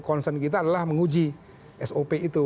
concern kita adalah menguji sop itu